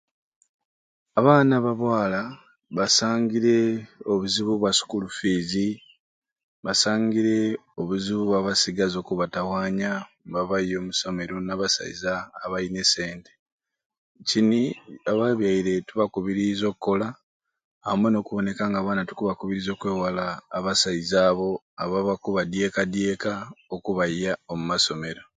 Abaana ba bwala basangire obuzibu bwa sukulu fiizi, basangire obuzibu bwa basigazi okubatawanya mbabaya omusomero n'abasaiza abayina esente, kini ababyaire tubakubiriize okukola amwei n'okuboneka nga abaana tukubakubiriza okwewala abasaiza abo abakubadyekadyeka okubayya omu masomero.